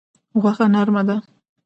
غوښه نرمه ده.